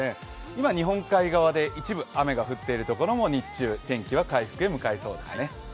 今、日本海側で一部雨が降っているところも、日中、天気は回復に向かいそうですね。